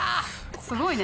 すごいね。